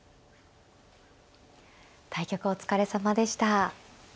対局お疲れさまでした。